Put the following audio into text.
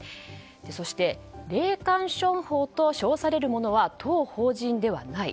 そして霊感商法と称されるものは当法人ではない。